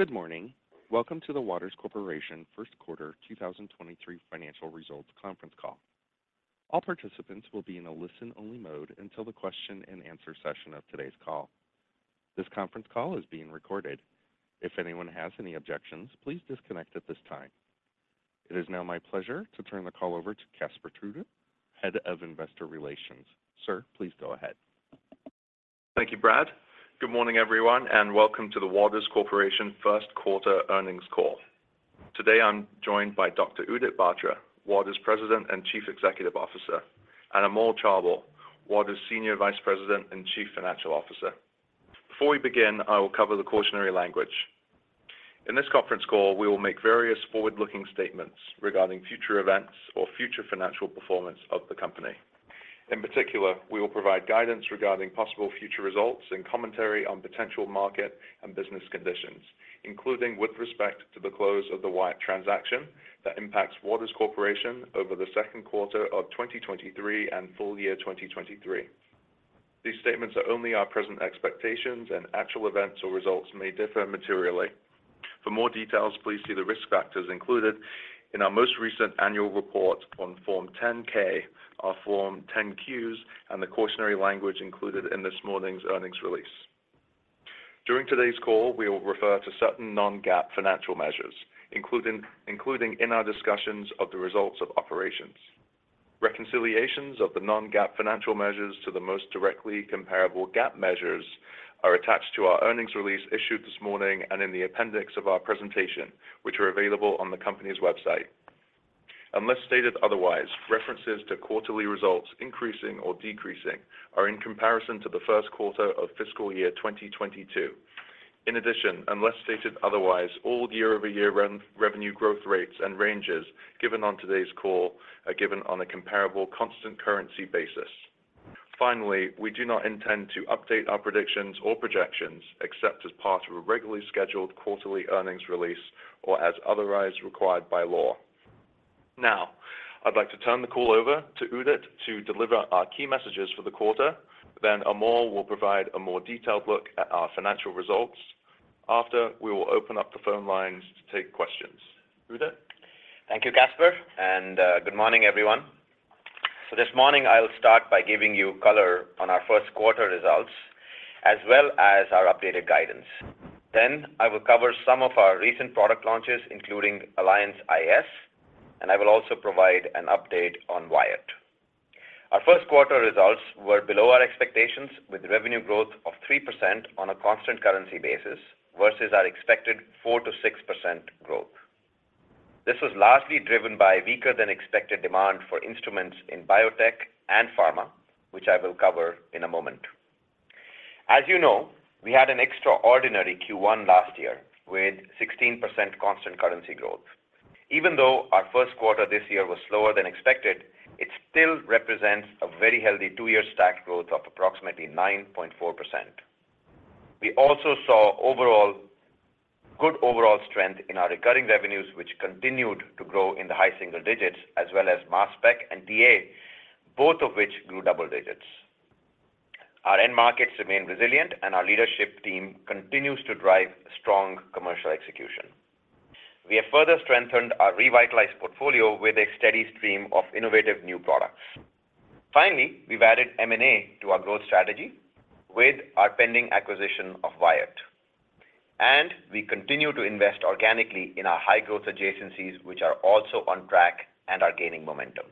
Good morning. Welcome to the Waters Corporation Q1 2023 financial results conference call. All participants will be in a listen-only mode until the question-and-answer session of today's call. This conference call is being recorded. If anyone has any objections, please disconnect at this time. It is now my pleasure to turn the call over to Caspar Tudor, Head of Investor Relations. Sir, please go ahead. Thank you, Brad. Good morning, everyone, and welcome to the Waters Corporation Q1 earnings call. Today, I'm joined by Dr. Udit Batra, Waters President and Chief Executive Officer, and Amol Chaubal, Waters Senior Vice President and Chief Financial Officer. Before we begin, I will cover the cautionary language. In this conference call, we will make various forward-looking statements regarding future events or future financial performance of the company. In particular, we will provide guidance regarding possible future results and commentary on potential market and business conditions, including with respect to the close of the Wyatt transaction that impacts Waters Corporation over the Q2 of 2023 and full year 2023. These statements are only our present expectations. Actual events or results may differ materially. For more details, please see the risk factors included in our most recent annual report on Form 10-K, our Form 10-Qs, and the cautionary language included in this morning's earnings release. During today's call, we will refer to certain non-GAAP financial measures, including in our discussions of the results of operations. Reconciliations of the non-GAAP financial measures to the most directly comparable GAAP measures are attached to our earnings release issued this morning and in the appendix of our presentation, which are available on the company's website. Unless stated otherwise, references to quarterly results increasing or decreasing are in comparison to the Q1 of fiscal year 2022. In addition, unless stated otherwise, all year-over-year revenue growth rates and ranges given on today's call are given on a comparable constant currency basis. Finally, we do not intend to update our predictions or projections except as part of a regularly scheduled quarterly earnings release or as otherwise required by law. Now, I'd like to turn the call over to Udit to deliver our key messages for the quarter. Amol will provide a more detailed look at our financial results. After, we will open up the phone lines to take questions. Udit. Thank you, Caspar, and good morning, everyone. This morning I'll start by giving you color on our Q1 results, as well as our updated guidance. Then I will cover some of our recent product launches, including Alliance iS, and I will also provide an update on Wyatt. Our Q1 results were below our expectations with revenue growth of 3% on a constant currency basis versus our expected 4%-6% growth. This was largely driven by weaker than expected demand for instruments in biotech and pharma, which I will cover in a moment. As you know, we had an extraordinary Q1 last year with 16% constant currency growth. Even though our Q1 this year was slower than expected, it still represents a very healthy two year stack growth of approximately 9.4%. We also saw good overall strength in our recurring revenues, which continued to grow in the high single digits, as well as Mass Spec and DA, both of which grew double digits. Our end markets remain resilient, and our leadership team continues to drive strong commercial execution. We have further strengthened our revitalized portfolio with a steady stream of innovative new products. Finally, we've added M&A to our growth strategy with our pending acquisition of Wyatt. We continue to invest organically in our high-growth adjacencies, which are also on track and are gaining momentum.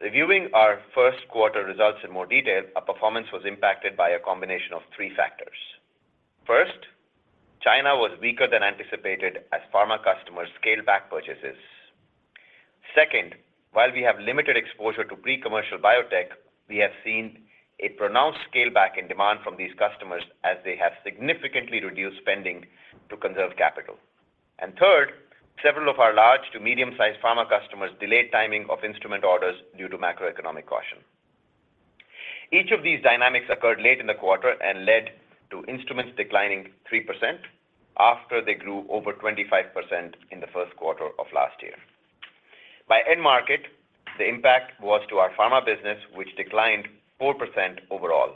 Reviewing our Q1 results in more detail, our performance was impacted by a combination of three factors. First, China was weaker than anticipated as pharma customers scaled back purchases. Second, while we have limited exposure to pre-commercial biotech, we have seen a pronounced scale back in demand from these customers as they have significantly reduced spending to conserve capital. Third, several of our large to medium-sized pharma customers delayed timing of instrument orders due to macroeconomic caution. Each of these dynamics occurred late in the quarter and led to instruments declining 3% after they grew over 25% in the Q1 of last year. By end market, the impact was to our pharma business, which declined 4% overall.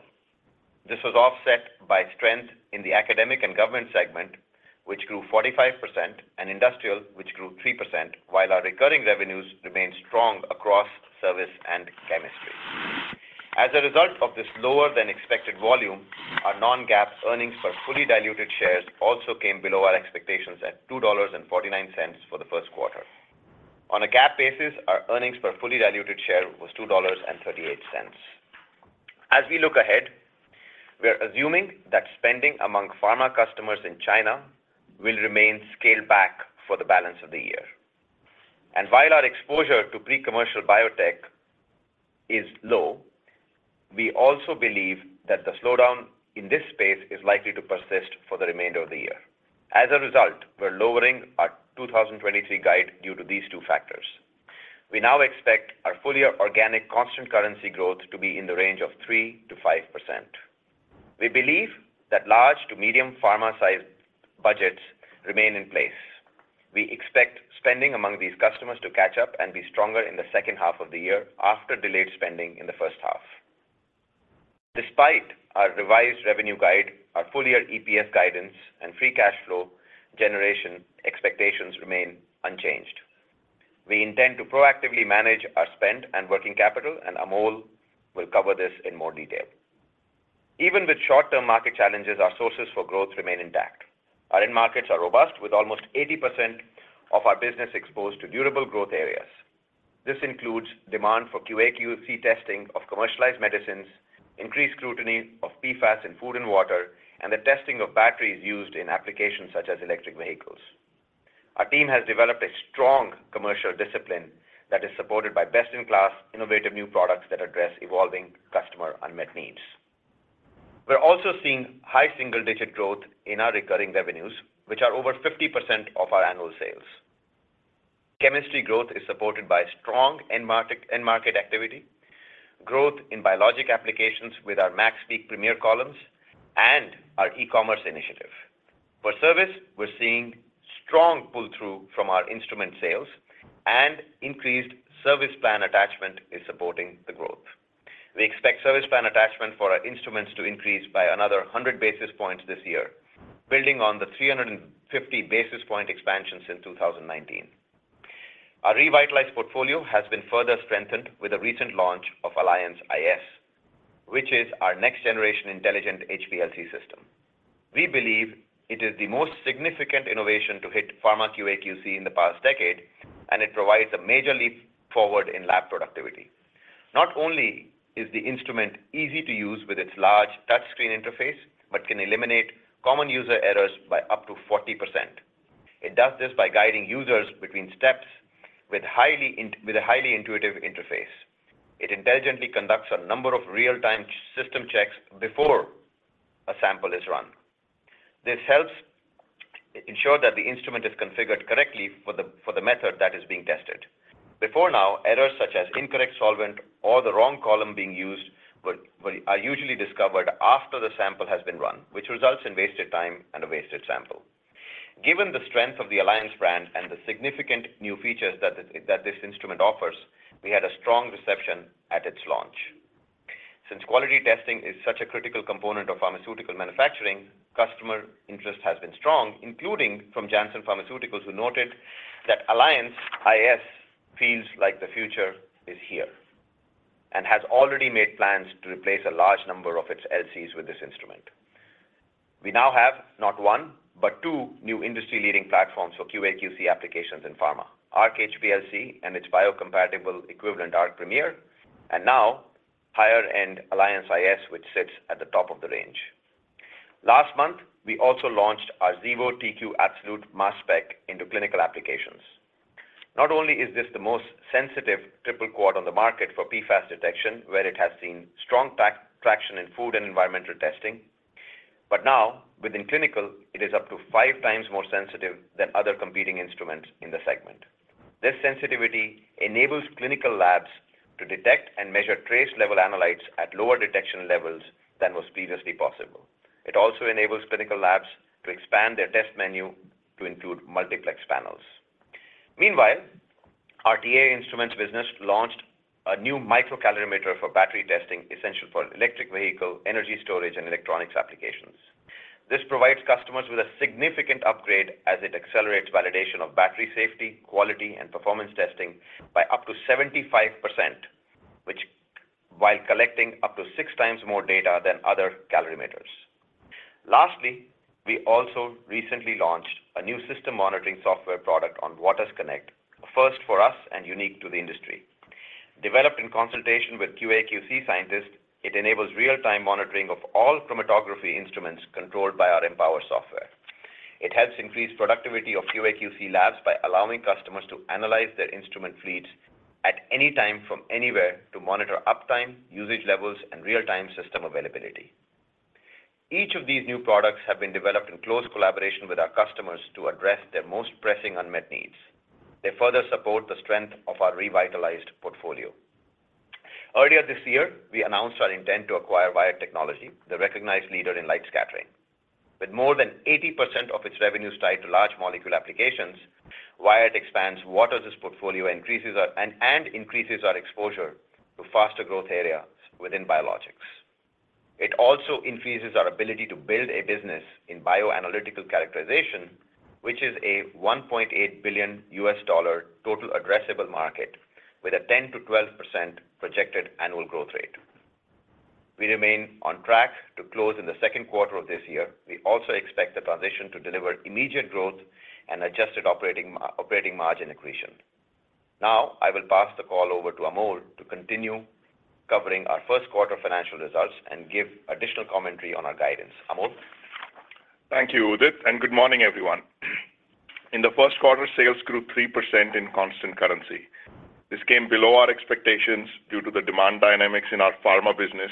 This was offset by strength in the academic and government segment, which grew 45%, and industrial, which grew 3%, while our recurring revenues remained strong across service and chemistry. A result of this lower than expected volume, our non-GAAP earnings per fully diluted shares also came below our expectations at $2.49 for the Q1. On a GAAP basis, our earnings per fully diluted share was $2.38. We look ahead, we are assuming that spending among pharma customers in China will remain scaled back for the balance of the year. While our exposure to pre-commercial biotech is low, we also believe that the slowdown in this space is likely to persist for the remainder of the year. A result, we're lowering our 2023 guide due to these two factors. We now expect our full year organic constant currency growth to be in the range of 3%-5%. We believe that large to medium pharma-sized budgets remain in place. We expect spending among these customers to catch up and be stronger in the second half of the year after delayed spending in the first half. Despite our revised revenue guide, our full-year EPS guidance and free cash flow generation expectations remain unchanged. We intend to proactively manage our spend and working capital. Amol will cover this in more detail. Even with short-term market challenges, our sources for growth remain intact. Our end markets are robust, with almost 80% of our business exposed to durable growth areas. This includes demand for QA/QC testing of commercialized medicines, increased scrutiny of PFAS in food and water, and the testing of batteries used in applications such as electric vehicles. Our team has developed a strong commercial discipline that is supported by best-in-class innovative new products that address evolving customer unmet needs. We're also seeing high single-digit growth in our recurring revenues, which are over 50% of our annual sales. Chemistry growth is supported by strong end market activity, growth in biologic applications with our MaxPeak Premier columns, and our e-commerce initiative. For service, we're seeing strong pull-through from our instrument sales and increased service plan attachment is supporting the growth. We expect service plan attachment for our instruments to increase by another 100 basis points this year, building on the 350 basis point expansion since 2019. Our revitalized portfolio has been further strengthened with the recent launch of Alliance iS, which is our next-generation intelligent HPLC system. We believe it is the most significant innovation to hit pharma QA/QC in the past decade, it provides a major leap forward in lab productivity. Not only is the instrument easy to use with its large touchscreen interface, but can eliminate common user errors by up to 40%. It does this by guiding users between steps with a highly intuitive interface. It intelligently conducts a number of real-time system checks before a sample is run. This helps ensure that the instrument is configured correctly for the method that is being tested. Before now, errors such as incorrect solvent or the wrong column being used are usually discovered after the sample has been run, which results in wasted time and a wasted sample. Given the strength of the Alliance brand and the significant new features that this instrument offers, we had a strong reception at its launch. Since quality testing is such a critical component of pharmaceutical manufacturing, customer interest has been strong, including from Janssen Pharmaceuticals, who noted that Alliance iS feels like the future is here, and has already made plans to replace a large number of its LCs with this instrument. We now have not one, but two new industry-leading platforms for QA/QC applications in pharma. Arc HPLC and its biocompatible equivalent, Arc Premier, and now higher-end Alliance iS, which sits at the top of the range. Last month, we also launched our Xevo TQ Absolute Mass Spec into clinical applications. Not only is this the most sensitive triple quad on the market for PFAS detection, where it has seen strong traction in food and environmental testing, but now within clinical, it is up to 5x more sensitive than other competing instruments in the segment. This sensitivity enables clinical labs to detect and measure trace-level analytes at lower detection levels than was previously possible. It also enables clinical labs to expand their test menu to include multiplex panels. Meanwhile, our TA Instruments business launched a new microcalorimeter for battery testing, essential for electric vehicle, energy storage, and electronics applications. This provides customers with a significant upgrade as it accelerates validation of battery safety, quality, and performance testing by up to 75% while collecting up to six times more data than other calorimeters. Lastly, we also recently launched a new system monitoring software product on waters_connect, a first for us and unique to the industry. Developed in consultation with QA/QC scientists, it enables real-time monitoring of all chromatography instruments controlled by our Empower software. It helps increase productivity of QA/QC labs by allowing customers to analyze their instrument fleet at any time from anywhere to monitor uptime, usage levels, and real-time system availability. Each of these new products have been developed in close collaboration with our customers to address their most pressing unmet needs. They further support the strength of our revitalized portfolio. Earlier this year, we announced our intent to acquire Wyatt Technology, the recognized leader in light scattering. With more than 80% of its revenues tied to large molecule applications, Wyatt expands Waters' portfolio and increases our exposure to faster growth areas within biologics. It also increases our ability to build a business in bioanalytical characterization, which is a $1.8 billion total addressable market with a 10%-12% projected annual growth rate. We remain on track to close in the Q2 of this year. We also expect the transition to deliver immediate growth and adjusted operating margin accretion. I will pass the call over to Amol to continue covering our Q1 financial results and give additional commentary on our guidance. Amol? Thank you, Udit. Good morning, everyone. In the Q1, sales grew 3% in constant currency. This came below our expectations due to the demand dynamics in our pharma business,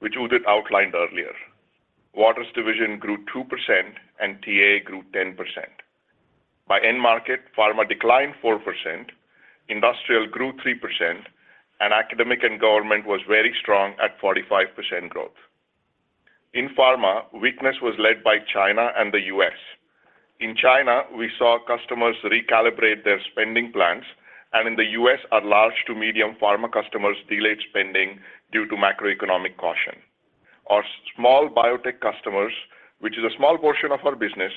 which Udit outlined earlier. Waters division grew 2% and TA grew 10%. By end market, pharma declined 4%, industrial grew 3%, and academic and government was very strong at 45% growth. In pharma, weakness was led by China and the U.S. In China, we saw customers recalibrate their spending plans, and in the U.S., our large to medium pharma customers delayed spending due to macroeconomic caution. Our small biotech customers, which is a small portion of our business,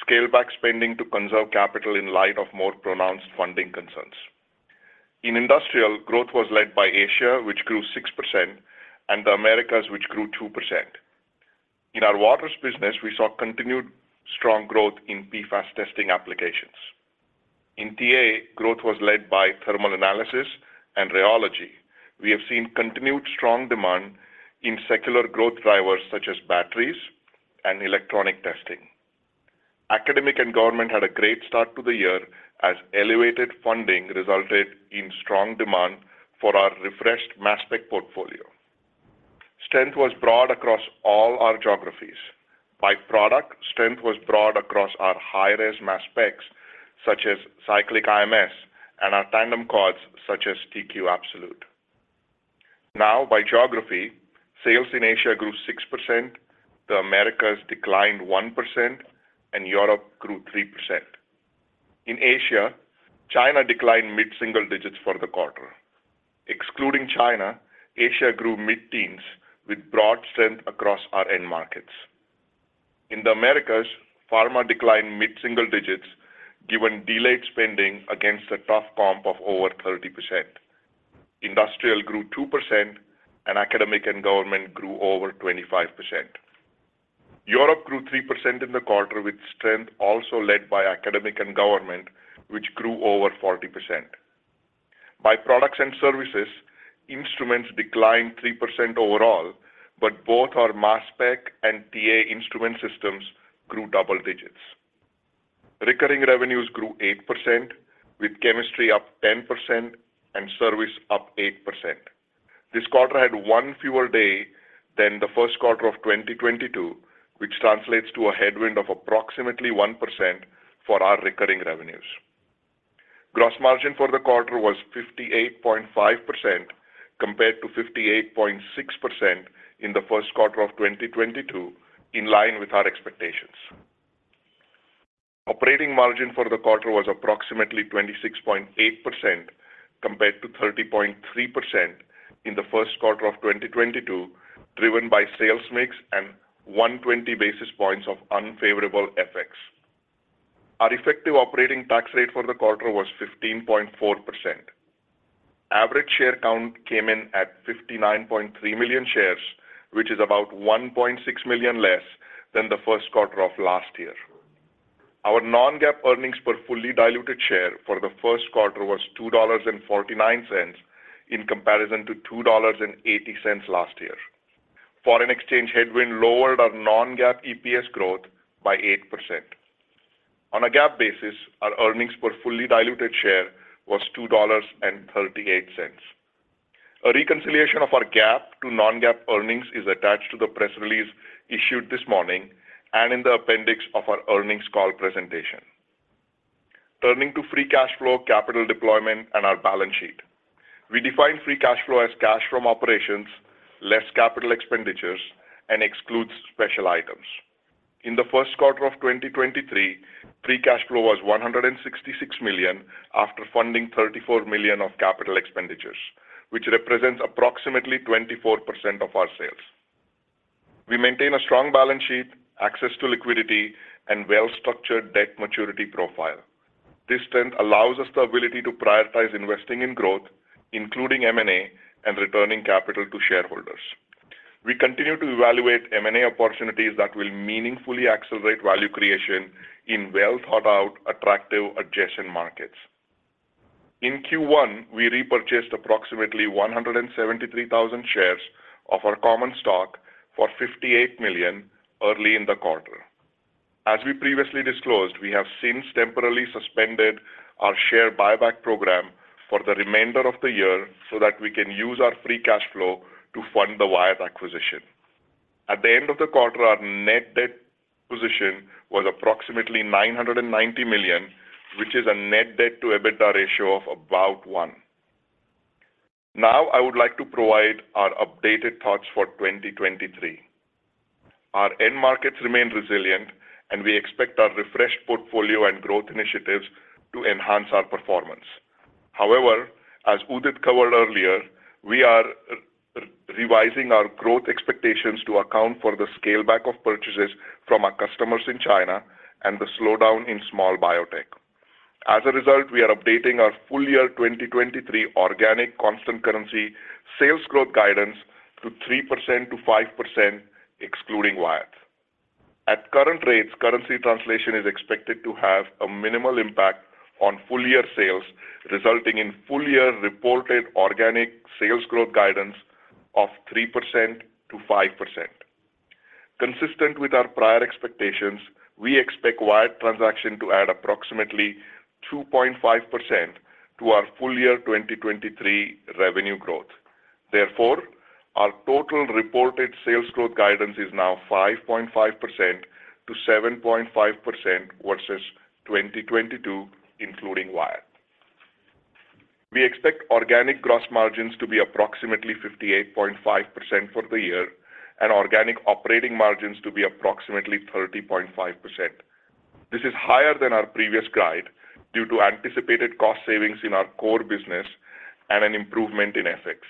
scaled back spending to conserve capital in light of more pronounced funding concerns. In industrial, growth was led by Asia, which grew 6%, and the Americas, which grew 2%. In our Waters business, we saw continued strong growth in PFAS testing applications. In TA, growth was led by thermal analysis and rheology. We have seen continued strong demand in secular growth drivers such as batteries and electronic testing. Academic and government had a great start to the year as elevated funding resulted in strong demand for our refreshed Mass Spec portfolio. Strength was broad across all our geographies. By product, strength was broad across our high-res Mass Specs, such as Cyclic IMS and our tandem quads such as TQ Absolute. By geography, sales in Asia grew 6%, the Americas declined 1%, and Europe grew 3%. In Asia, China declined mid-single digits for the quarter. Excluding China, Asia grew mid-teens with broad strength across our end markets. In the Americas, pharma declined mid-single digits given delayed spending against a tough comp of over 30%. Industrial grew 2%, academic and government grew over 25%. Europe grew 3% in the quarter, with strength also led by academic and government, which grew over 40%. By products and services, instruments declined 3% overall, but both our Mass Spec and TA Instruments systems grew double digits. Recurring revenues grew 8%, with chemistry up 10% and service up 8%. This quarter had one fewer day than the Q1 of 2022, which translates to a headwind of approximately 1% for our recurring revenues. Gross margin for the quarter was 58.5% compared to 58.6% in the Q1 of 2022, in line with our expectations. Operating margin for the quarter was approximately 26.8% compared to 30.3% in the Q1 of 2022, driven by sales mix and 120 basis points of unfavorable FX. Our effective operating tax rate for the quarter was 15.4%. Average share count came in at 59.3 million shares, which is about 1.6 million less than the Q1 of last year. Our non-GAAP earnings per fully diluted share for the Q1 was $2.49 in comparison to $2.80 last year. Foreign exchange headwind lowered our non-GAAP EPS growth by 8%. On a GAAP basis, our earnings per fully diluted share was $2.38. A reconciliation of our GAAP to non-GAAP earnings is attached to the press release issued this morning and in the appendix of our earnings call presentation. Turning to free cash flow, capital deployment, and our balance sheet. We define free cash flow as cash from operations, less capital expenditures, and excludes special items. In the Q1 of 2023, free cash flow was $166 million after funding $34 million of capital expenditures, which represents approximately 24% of our sales. We maintain a strong balance sheet, access to liquidity, and well-structured debt maturity profile. This trend allows us the ability to prioritize investing in growth, including M&A and returning capital to shareholders. We continue to evaluate M&A opportunities that will meaningfully accelerate value creation in well-thought-out, attractive adjacent markets. In Q1, we repurchased approximately 173,000 shares of our common stock for $58 million early in the quarter. As we previously disclosed, we have since temporarily suspended our share buyback program for the remainder of the year so that we can use our free cash flow to fund the Wyatt acquisition. At the end of the quarter, our net debt position was approximately $990 million, which is a net debt to EBITDA ratio of about one. Now, I would like to provide our updated thoughts for 2023. Our end markets remain resilient, and we expect our refreshed portfolio and growth initiatives to enhance our performance. However, as Udit covered earlier, we are revising our growth expectations to account for the scale back of purchases from our customers in China and the slowdown in small biotech. As a result, we are updating our full year 2023 organic constant currency sales growth guidance to 3%-5% excluding Wyatt. At current rates, currency translation is expected to have a minimal impact on full-year sales, resulting in full-year reported organic sales growth guidance of 3%-5%. Consistent with our prior expectations, we expect Wyatt transaction to add approximately 2.5% to our full year 2023 revenue growth. Our total reported sales growth guidance is now 5.5%-7.5% versus 2022, including Wyatt. We expect organic gross margins to be approximately 58.5% for the year and organic operating margins to be approximately 30.5%. This is higher than our previous guide due to anticipated cost savings in our core business and an improvement in FX.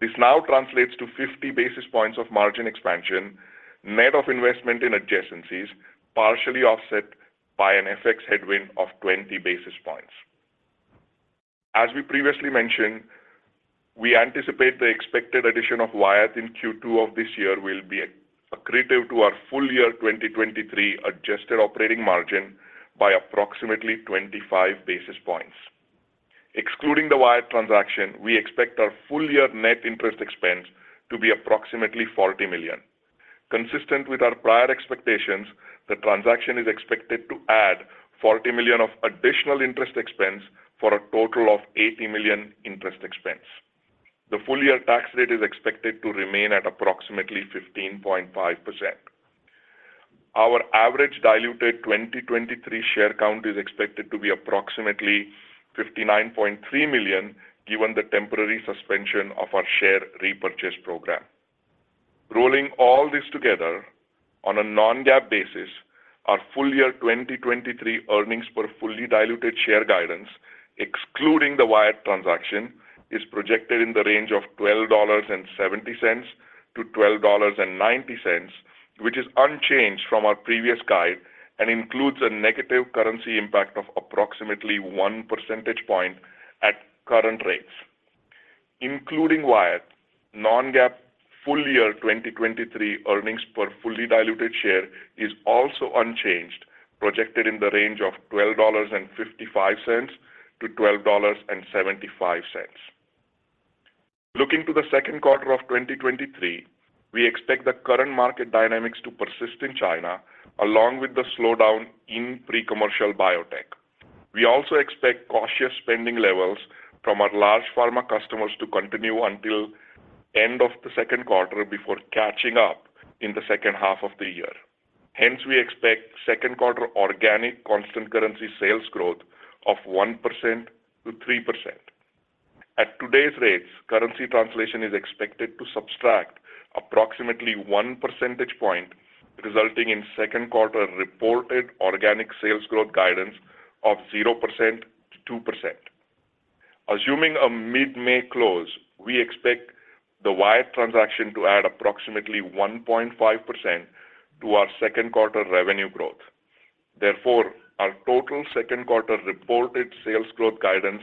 This now translates to 50 basis points of margin expansion, net of investment in adjacencies, partially offset by an FX headwind of 20 basis points. We previously mentioned, we anticipate the expected addition of Wyatt in Q2 of this year will be accretive to our full year 2023 adjusted operating margin by approximately 25 basis points. Excluding the Wyatt transaction, we expect our full year net interest expense to be approximately $40 million. Consistent with our prior expectations, the transaction is expected to add $40 million of additional interest expense for a total of $80 million interest expense. The full-year tax rate is expected to remain at approximately 15.5%. Our average diluted 2023 share count is expected to be approximately 59.3 million, given the temporary suspension of our share repurchase program. Rolling all this together, on a non-GAAP basis, our full-year 2023 earnings per fully diluted share guidance, excluding the Wyatt transaction, is projected in the range of $12.70-$12.90, which is unchanged from our previous guide and includes a negative currency impact of approximately 1 percentage point at current rates. Including Wyatt, non-GAAP full-year 2023 earnings per fully diluted share is also unchanged, projected in the range of $12.55-$12.75. Looking to the Q2 of 2023, we expect the current market dynamics to persist in China, along with the slowdown in pre-commercial biotech. We also expect cautious spending levels from our large pharma customers to continue until end of the Q2 before catching up in the second half of the year. We expect Q2 organic constant currency sales growth of 1%-3%. At today's rates, currency translation is expected to subtract approximately 1 percentage point, resulting in second quarter reported organic sales growth guidance of 0%-2%. Assuming a mid-May close, we expect the Wyatt transaction to add approximately 1.5% to our Q2 revenue growth. Our total second quarter reported sales growth guidance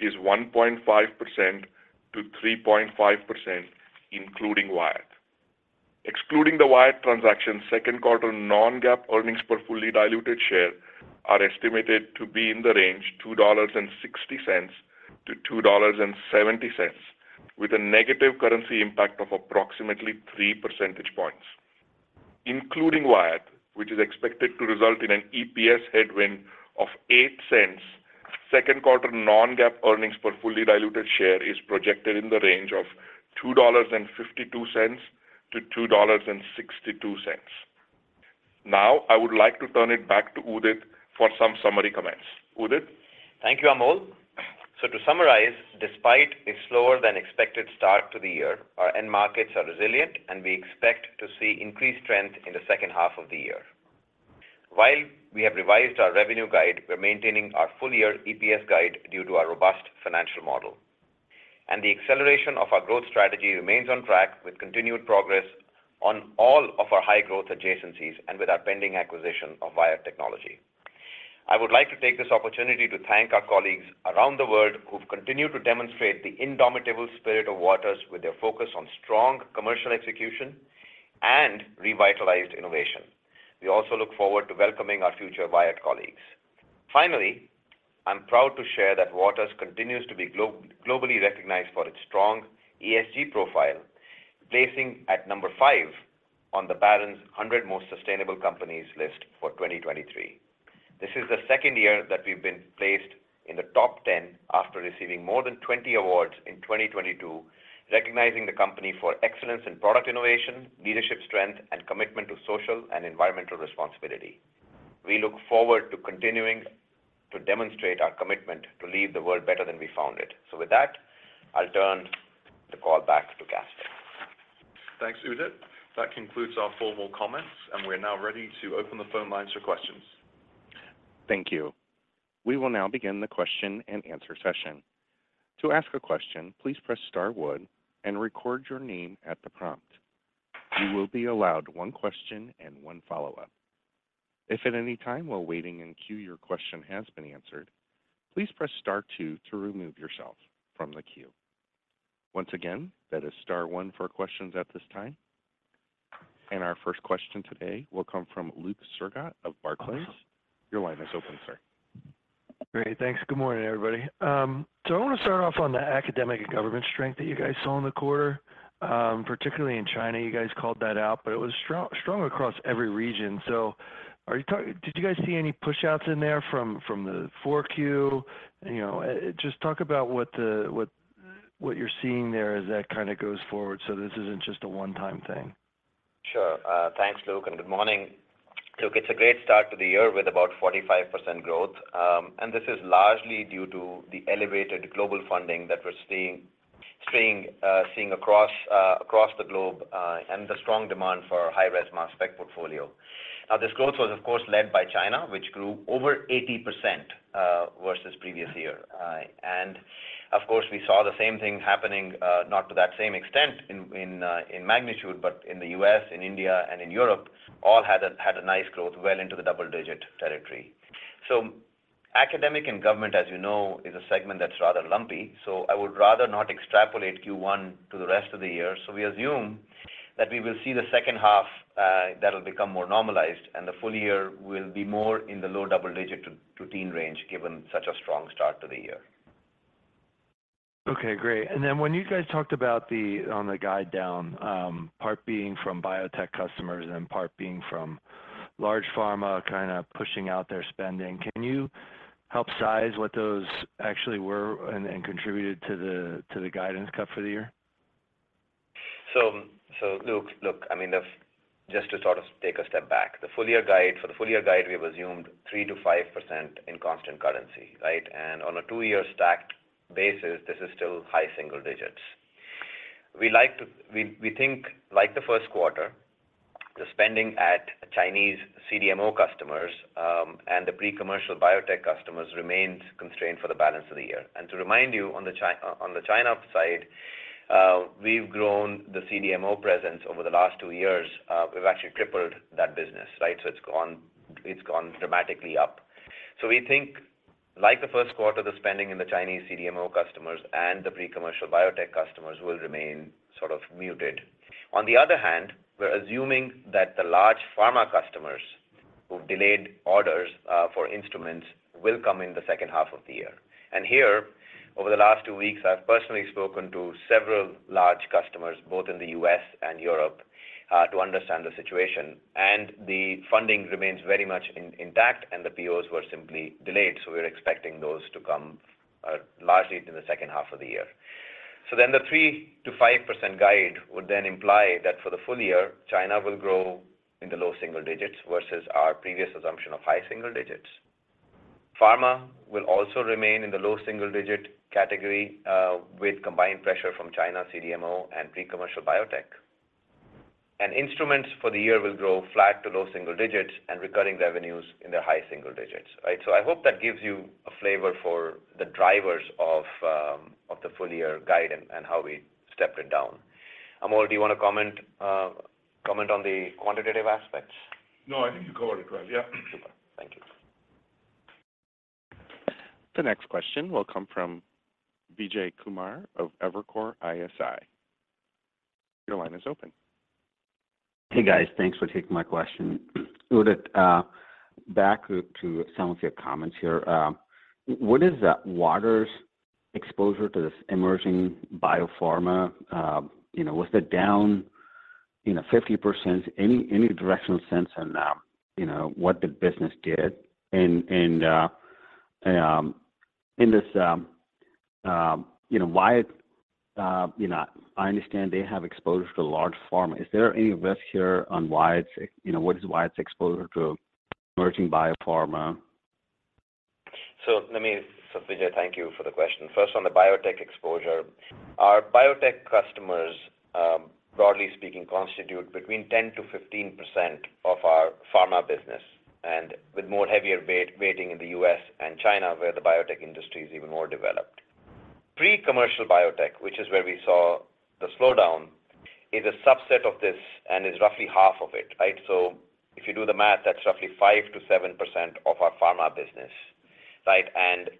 is 1.5%-3.5%, including Wyatt. Excluding the Wyatt transaction, second quarter non-GAAP earnings per fully diluted share are estimated to be in the range $2.60-$2.70, with a negative currency impact of approximately 3 percentage points. Including Wyatt, which is expected to result in an EPS headwind of $0.08, second quarter non-GAAP earnings per fully diluted share is projected in the range of $2.52-$2.62. I would like to turn it back to Udit for some summary comments. Udit? Thank you, Amol. To summarize, despite a slower than expected start to the year, our end markets are resilient, and we expect to see increased strength in the second half of the year. While we have revised our revenue guide, we're maintaining our full year EPS guide due to our robust financial model. The acceleration of our growth strategy remains on track with continued progress on all of our high-growth adjacencies and with our pending acquisition of Wyatt Technology. I would like to take this opportunity to thank our colleagues around the world who've continued to demonstrate the indomitable spirit of Waters with their focus on strong commercial execution and revitalized innovation. We also look forward to welcoming our future Wyatt colleagues. Finally, I'm proud to share that Waters continues to be globally recognized for its strong ESG profile, placing at number five on the Barron's 100 most sustainable companies list for 2023. This is the second year that we've been placed in the top 10 after receiving more than 20 awards in 2022, recognizing the company for excellence in product innovation, leadership strength, and commitment to social and environmental responsibility. We look forward to continuing to demonstrate our commitment to leave the world better than we found it. With that, I'll turn the call back to Caspar. Thanks, Udit. That concludes our formal comments. We're now ready to open the phone lines for questions. Thank you. We will now begin the question and answer session. To ask a question, please press star one and record your name at the prompt. You will be allowed one question and one follow-up. If at any time while waiting in queue, your question has been answered, please press star two to remove yourself from the queue. Once again, that is star one for questions at this time. Our first question today will come from Luke Sergott of Barclays. Your line is open, sir. Great. Thanks. Good morning, everybody. I want to start off on the academic and government strength that you guys saw in the quarter, particularly in China. You guys called that out, but it was strong across every region. Did you guys see any pushouts in there from Q4? You know, just talk about what you're seeing there as that kind of goes forward, so this isn't just a one-time thing? Sure. Thanks Luke, and good morning. Look, it's a great start to the year with about 45% growth. This is largely due to the elevated global funding that we're seeing across the globe and the strong demand for our high-res mass spec portfolio. This growth was, of course, led by China, which grew over 80% versus previous year. Of course, we saw the same thing happening, not to that same extent in magnitude, but in the U.S., in India, and in Europe, all had a nice growth well into the double-digit territory. Academic and government, as you know, is a segment that's rather lumpy. I would rather not extrapolate Q1 to the rest of the year. We assume that we will see the second half, that'll become more normalized, and the full year will be more in the low double digit to teen range, given such a strong start to the year. Okay, great. When you guys talked about the, on the guide down, part being from biotech customers and part being from large pharma kind of pushing out their spending, can you help size what those actually were and contributed to the guidance cut for the year? Luke, I mean, just to sort of take a step back. For the full year guide, we've assumed 3%-5% in constant currency, right? On a two year stacked basis, this is still high single digits. We think like the Q1, the spending at Chinese CDMO customers and the pre-commercial biotech customers remains constrained for the balance of the year. To remind you, on the China side, we've grown the CDMO presence over the last two years. We've actually tripled that business, right? It's gone dramatically up. We think like the Q1, the spending in the Chinese CDMO customers and the pre-commercial biotech customers will remain sort of muted. On the other hand, we're assuming that the large pharma customers who've delayed orders for instruments will come in the second half of the year. Here, over the last two weeks, I've personally spoken to several large customers, both in the U.S. and Europe, to understand the situation. The funding remains very much intact, and the POs were simply delayed, we're expecting those to come largely in the second half of the year. The 3%-5% guide would then imply that for the full year, China will grow in the low single digits versus our previous assumption of high single digits. Pharma will also remain in the low single digit category with combined pressure from China CDMO and pre-commercial biotech. Instruments for the year will grow flat to low single digits and recurring revenues in their high single digits, right? I hope that gives you a flavor for the drivers of the full year guide and how we stepped it down. Amol, do you wanna comment on the quantitative aspects? No, I think you covered it well. Yeah. Super. Thank you. The next question will come from Vijay Kumar of Evercore ISI. Your line is open. Hey, guys. Thanks for taking my question. Udit, back to some of your comments here. What is Waters exposure to this emerging biopharma? You know, was it down, you know, 50%? Any directional sense on, you know, what the business did in, and in this... You know, Wyatt... You know, I understand they have exposure to large pharma. Is there any risk here on Wyatt's, you know, what is Wyatt's exposure to emerging biopharma? Vijay, thank you for the question. First, on the biotech exposure. Our biotech customers, broadly speaking, constitute between 10% to 15% of our pharma business, and with more heavier weighting in the U.S. and China, where the biotech industry is even more developed. Pre-commercial biotech, which is where we saw the slowdown, is a subset of this and is roughly half of it, right? If you do the math, that's roughly 5% to 7% of our pharma business, right?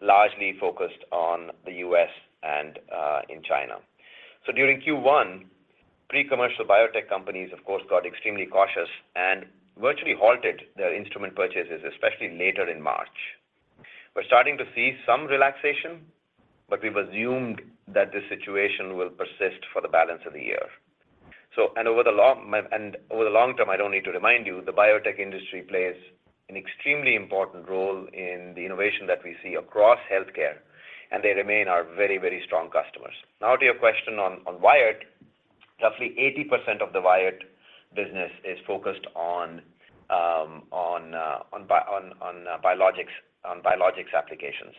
Largely focused on the U.S. and in China. During Q1, pre-commercial biotech companies, of course, got extremely cautious and virtually halted their instrument purchases, especially later in March. We're starting to see some relaxation, but we've assumed that this situation will persist for the balance of the year. Over the long term, I don't need to remind you, the biotech industry plays an extremely important role in the innovation that we see across healthcare, and they remain our very, very strong customers. To your question on Wyatt. Roughly 80% of the Wyatt business is focused on biologics applications.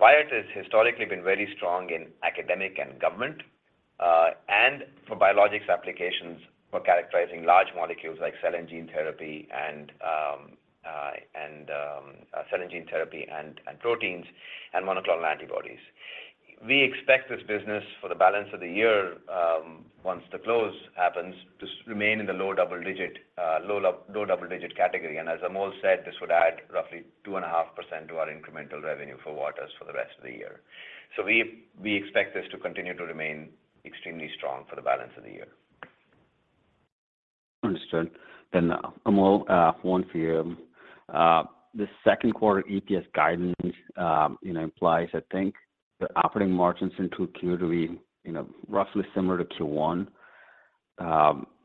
Wyatt has historically been very strong in academic and government and for biologics applications for characterizing large molecules like cell and gene therapy and proteins and monoclonal antibodies. We expect this business for the balance of the year, once the close happens, to remain in the low double digit category. As Amol said, this would add roughly 2.5% to our incremental revenue for Waters for the rest of the year. We expect this to continue to remain extremely strong for the balance of the year. Understood. Amol, one for you. The Q2 EPS guidance, you know, implies I think the operating margins in Q2 to be, you know, roughly similar to Q1. You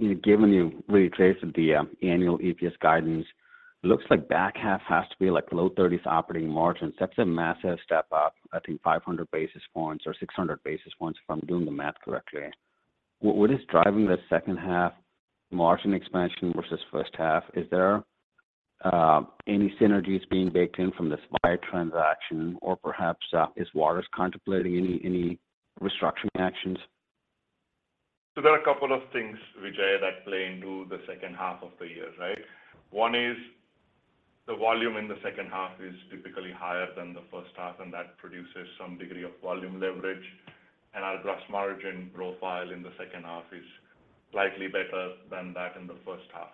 know, given you've retraced the annual EPS guidance Looks like back half has to be like low 30s operating margins. That's a massive step up. I think 500 basis points or 600 basis points if I'm doing the math correctly. What is driving the second half margin expansion versus first half? Is there any synergies being baked in from the Wyatt transaction? Or perhaps is Waters contemplating any restructuring actions? There are a couple of things, Vijay, that play into the second half of the year, right? One is the volume in the second half is typically higher than the first half, and that produces some degree of volume leverage. Our gross margin profile in the second half is likely better than that in the first half.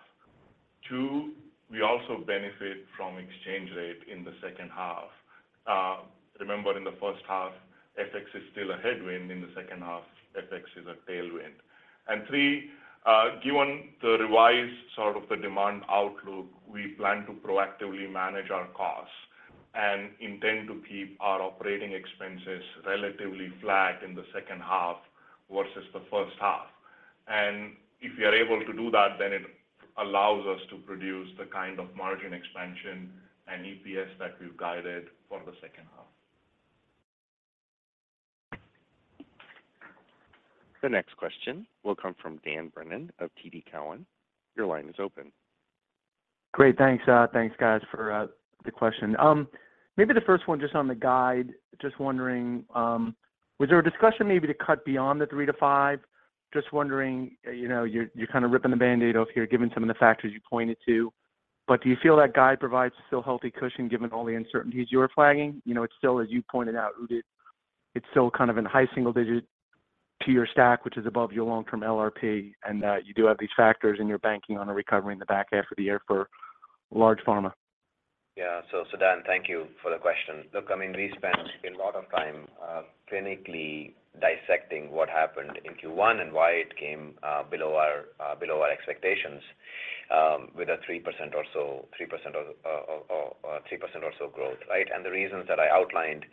Two, we also benefit from exchange rate in the second half. Remember in the first half, FX is still a headwind. In the second half, FX is a tailwind. Three, given the revised sort of the demand outlook, we plan to proactively manage our costs and intend to keep our operating expenses relatively flat in the second half versus the first half. If we are able to do that, then it allows us to produce the kind of margin expansion and EPS that we've guided for the second half. The next question will come from Dan Brennan of TD Cowen. Your line is open. Great. Thanks, guys, for the question. Maybe the first one just on the guide. Just wondering, was there a discussion maybe to cut beyond the 3% to 5%? Just wondering, you know, you're kind of ripping the Band-Aid off here, given some of the factors you pointed to. Do you feel that guide provides still healthy cushion given all the uncertainties you're flagging? You know, it's still, as you pointed out, Udit, it's still kind of in high single digits to your stack, which is above your long-term LRP. You do have these factors, and you're banking on a recovery in the back half of the year for large pharma. Dan, thank you for the question. I mean, we spent a lot of time clinically dissecting what happened in Q1 and why it came below our expectations with a 3% or so growth, right? The reasons that I outlined,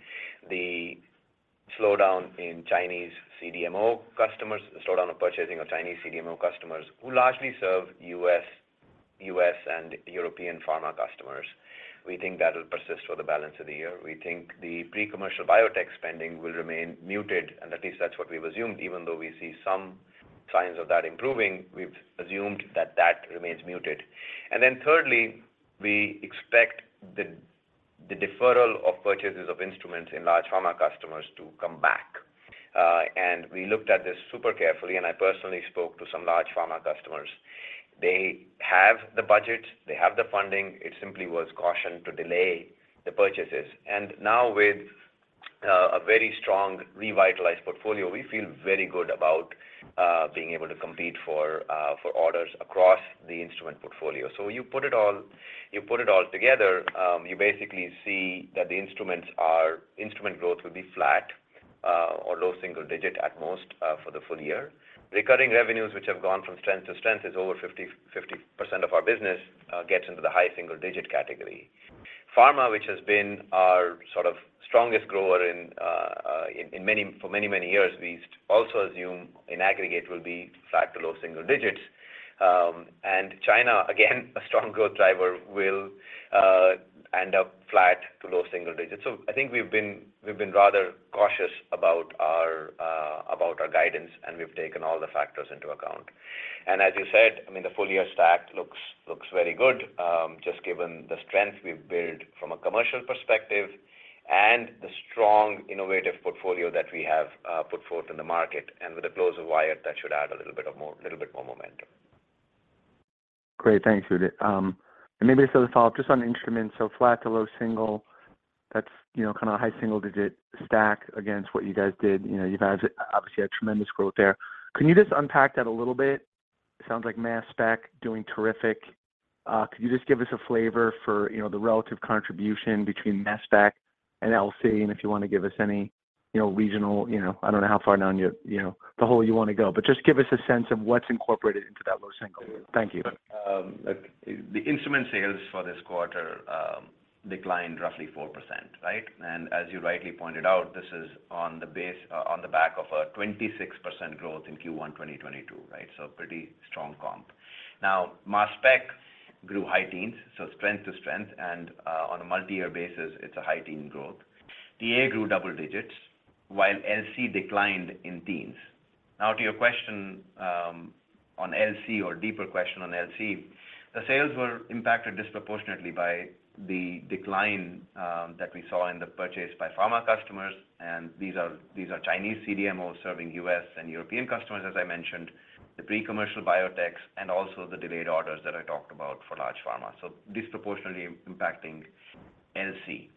the slowdown in Chinese CDMO customers, the slowdown of purchasing of Chinese CDMO customers who largely serve US and European pharma customers. We think that'll persist for the balance of the year. We think the pre-commercial biotech spending will remain muted, at least that's what we've assumed even though we see some signs of that improving, we've assumed that remains muted. Thirdly, we expect the deferral of purchases of instruments in large pharma customers to come back. We looked at this super carefully, and I personally spoke to some large pharma customers. They have the budget. They have the funding. It simply was caution to delay the purchases. Now with a very strong revitalized portfolio, we feel very good about being able to compete for orders across the instrument portfolio. When you put it all together, you basically see that instrument growth will be flat or low single digit at most for the full year. Recurring revenues, which have gone from strength to strength, is over 50% of our business gets into the high single digit category. Pharma, which has been our sort of strongest grower in for many, many years, we also assume in aggregate will be flat to low single digits. China, again, a strong growth driver, will end up flat to low single digits. I think we've been, we've been rather cautious about our about our guidance, and we've taken all the factors into account. As you said, I mean, the full year stack looks very good, just given the strength we've built from a commercial perspective and the strong innovative portfolio that we have put forth in the market. With the close of Wyatt, that should add little bit more momentum. Great. Thanks, Udit. Maybe as sort of a follow-up, just on instruments, so flat to low single, that's, you know, kind of a high single digit stack against what you guys did. You know, you guys obviously had tremendous growth there. Can you just unpack that a little bit? It sounds like Mass Spec doing terrific. Could you just give us a flavor for, you know, the relative contribution between Mass Spec and LC, and if you want to give us any, you know, regional, you know, I don't know how far down your, you know, the hole you want to go, but just give us a sense of what's incorporated into that low single? Thank you. The instrument sales for this quarter declined roughly 4%, right? As you rightly pointed out, this is on the base on the back of a 26% growth in Q1 2022, right? Pretty strong comp. Mass Spec grew high teens, so strength to strength, and on a multi-year basis it's a high teen growth. DA grew double digits while LC declined in teens. To your question on LC or deeper question on LC, the sales were impacted disproportionately by the decline that we saw in the purchase by pharma customers. These are Chinese CDMOs serving U.S. and European customers, as I mentioned, the pre-commercial biotechs and also the delayed orders that I talked about for large pharma, so disproportionately impacting LC.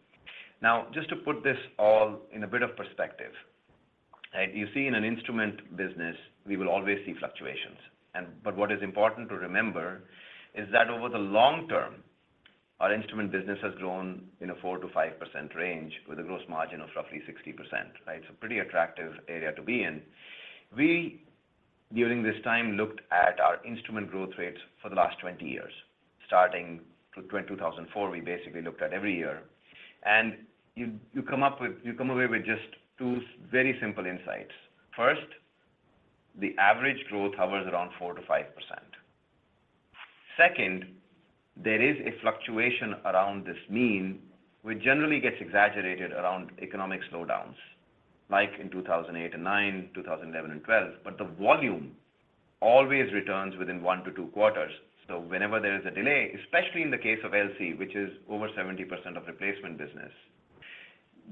Just to put this all in a bit of perspective, right? You see in an instrument business we will always see fluctuations, but what is important to remember is that over the long term, our instrument business has grown in a 4%-5% range with a gross margin of roughly 60%, right? It's a pretty attractive area to be in. We, during this time, looked at our instrument growth rates for the last 20 years, starting with 2004, we basically looked at every year. You come away with just two very simple insights. First, the average growth hovers around 4%-5%. Second, there is a fluctuation around this mean, which generally gets exaggerated around economic slowdowns, like in 2008 and 2009, 2011 and 2012, but the volume always returns within one to two quarters. Whenever there is a delay, especially in the case of LC, which is over 70% of replacement business,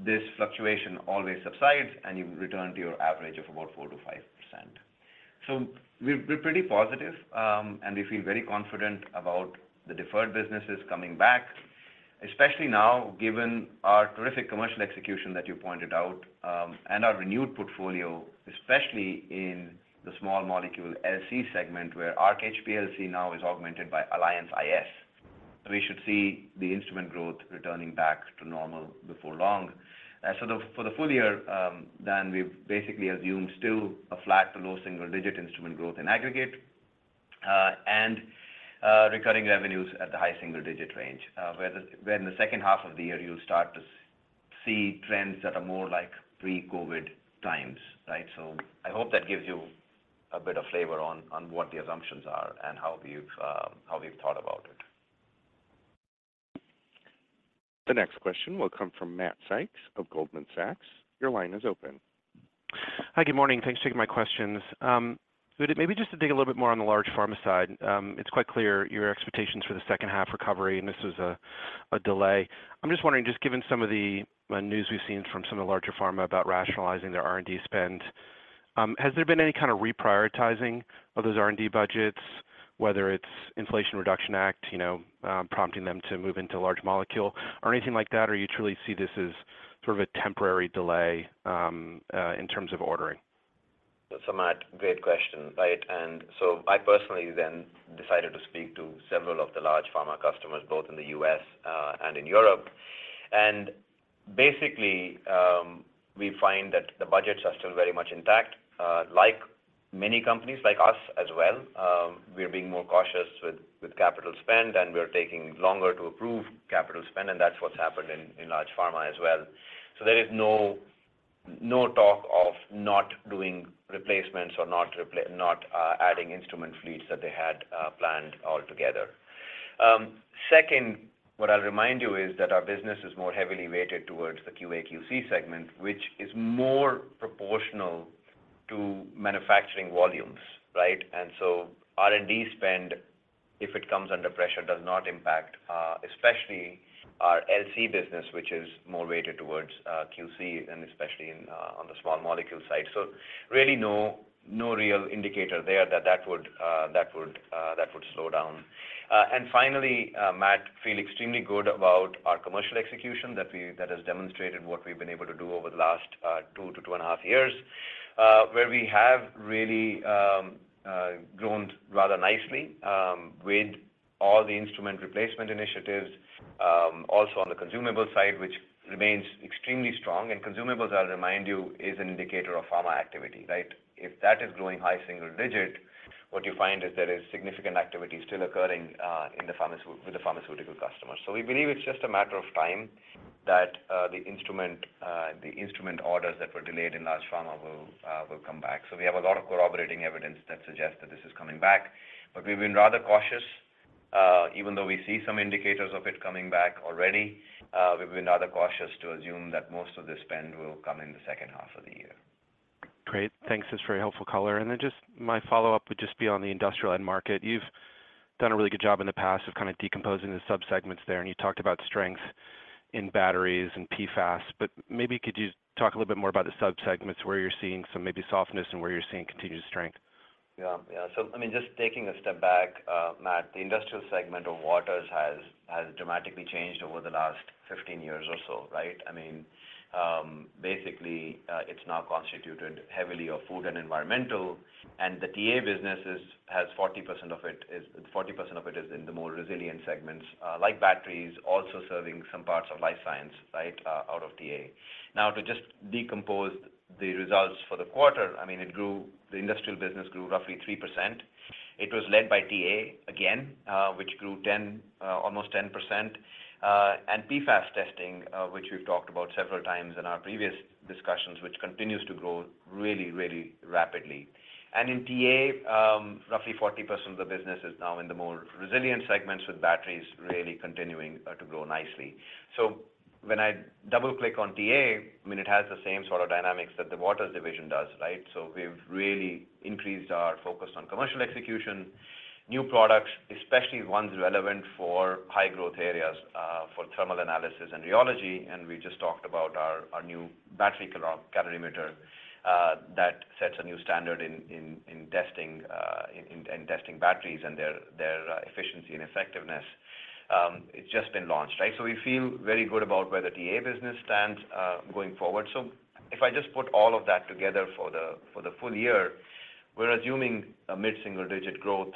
this fluctuation always subsides, and you return to your average of about 4%-5%. We're pretty positive, and we feel very confident about the deferred businesses coming back, especially now, given our terrific commercial execution that you pointed out, and our renewed portfolio, especially in the small molecule LC segment, where Arc HPLC now is augmented by Alliance iS. We should see the instrument growth returning back to normal before long. For the full year, we've basically assumed still a flat to low single-digit instrument growth in aggregate, and recurring revenues at the high single-digit range. Where in the second half of the year you'll start to see trends that are more like pre-COVID times, right? I hope that gives you a bit of flavor on what the assumptions are and how we've, how we've thought about it. The next question will come from Matt Sykes of Goldman Sachs. Your line is open. Hi. Good morning. Thanks for taking my questions. Maybe just to dig a little bit more on the large pharma side. It's quite clear your expectations for the second half recovery, and this was a delay. I'm just wondering, just given some of the news we've seen from some of the larger pharma about rationalizing their R&D spend, has there been any kind of reprioritizing of those R&D budgets, whether it's Inflation Reduction Act, you know, prompting them to move into large molecule or anything like that, or you truly see this as sort of a temporary delay in terms of ordering? Matt, great question, right? I personally then decided to speak to several of the large pharma customers, both in the U.S. and in Europe. We find that the budgets are still very much intact. Like many companies like us as well, we are being more cautious with capital spend, and we're taking longer to approve capital spend, and that's what's happened in large pharma as well. There is no talk of not doing replacements or not adding instrument fleets that they had planned altogether. Second, what I'll remind you is that our business is more heavily weighted towards the QA/QC segment, which is more proportional to manufacturing volumes, right? R&D spend, if it comes under pressure, does not impact especially our LC business, which is more weighted towards QC and especially on the small molecule side. Really no real indicator there that that would slow down. Finally, Matt, feel extremely good about our commercial execution that has demonstrated what we've been able to do over the last two to two and a half years, where we have really grown rather nicely with all the instrument replacement initiatives. Also on the consumable side, which remains extremely strong, and consumables, I'll remind you, is an indicator of pharma activity, right? If that is growing high single-digit, what you find is there is significant activity still occurring with the pharmaceutical customers. We believe it's just a matter of time that the instrument orders that were delayed in large pharma will come back. We have a lot of corroborating evidence that suggests that this is coming back. We've been rather cautious, even though we see some indicators of it coming back already, we've been rather cautious to assume that most of the spend will come in the second half of the year. Great. Thanks. That's very helpful color. Then just my follow-up would just be on the industrial end market. You've done a really good job in the past of kind of decomposing the sub-segments there, and you talked about strength in batteries and PFAS, but maybe could you talk a little bit more about the sub-segments where you're seeing some maybe softness and where you're seeing continued strength? I mean, just taking a step back, Matt, the industrial segment of Waters has dramatically changed over the last 15 years or so, right? Basically, it's now constituted heavily of food and environmental, and the TA business has 40% of it is in the more resilient segments, like batteries, also serving some parts of life science, right, out of TA. To just decompose the results for the quarter, the industrial business grew roughly 3%. It was led by TA again, which grew 10, almost 10%. PFAS testing, which we've talked about several times in our previous discussions, which continues to grow really, really rapidly. In TA, roughly 40% of the business is now in the more resilient segments with batteries really continuing to grow nicely. When I double-click on TA, I mean, it has the same sort of dynamics that the Waters division does, right? We've really increased our focus on commercial execution, new products, especially ones relevant for high growth areas for thermal analysis and rheology, and we just talked about our new battery microcalorimeter that sets a new standard in testing batteries and their efficiency and effectiveness. It's just been launched, right? We feel very good about where the TA business stands going forward. If I just put all of that together for the full year, we're assuming a mid-single-digit growth,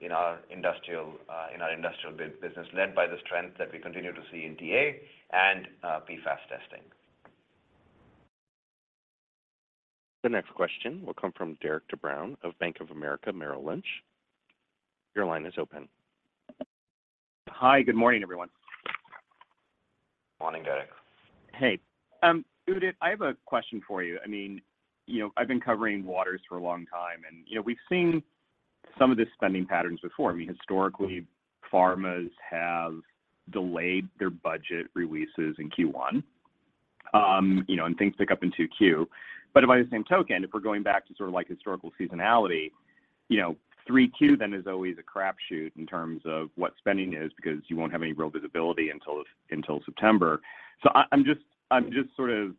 in our industrial, in our industrial business, led by the strength that we continue to see in TA and PFAS testing. The next question will come from Derik De Bruin of Bank of America Merrill Lynch. Your line is open. Hi. Good morning, everyone. Morning, Derek. Hey. Udit, I have a question for you. I mean, you know, I've been covering Waters for a long time and, you know, we've seen some of the spending patterns before. I mean, historically, pharmas have delayed their budget releases in Q1, you know, and things pick up in Q2. But by the same token, if we're going back to sort of like historical seasonality, you know, Q3 then is always a crap shoot in terms of what spending is because you won't have any real visibility until September. So I'm just, I'm just sort of,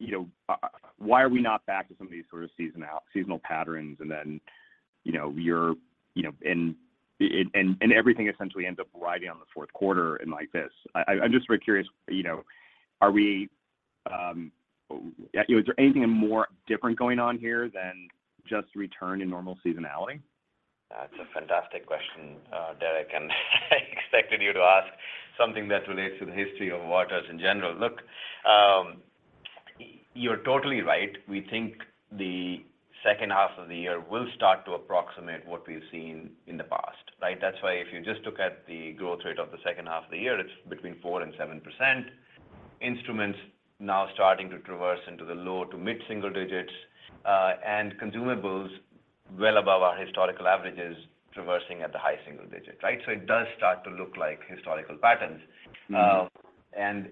you know, why are we not back to some of these sort of seasonal patterns and then, you know, you're, you know, and everything essentially ends up riding on the Q4 and like this. I'm just very curious, you know, are we, you know, is there anything more different going on here than just return to normal seasonality? That's a fantastic question, Derik, I expected you to ask something that relates to the history of Waters in general. Look, you're totally right. We think the second half of the year will start to approximate what we've seen in the past, right? That's why if you just look at the growth rate of the second half of the year, it's between 4% and 7%. Instruments now starting to traverse into the low to mid single digits, and consumables well above our historical averages traversing at the high single digits, right? It does start to look like historical patterns. Mm-hmm.